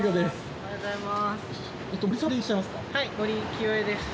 おはようございます。